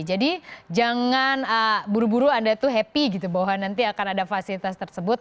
jadi jangan buru buru anda tuh happy gitu bahwa nanti akan ada fasilitas tersebut